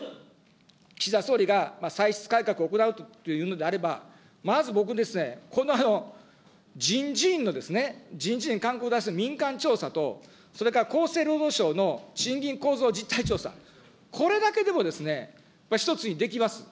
岸田総理が歳出改革を行うというのであれば、まず僕ですね、この人事院のですね、人事院勧告を出してる民間調査と、それから厚生労働省の賃金構造実態調査、これだけでも１つにできます。